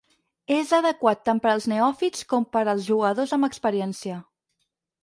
És adequat tant per als neòfits com per als jugadors amb experiència.